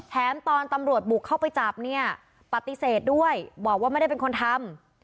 ตอนตำรวจบุกเข้าไปจับเนี่ยปฏิเสธด้วยบอกว่าไม่ได้เป็นคนทำ